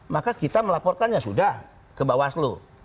maka kita melaporkannya sudah ke mbak waslu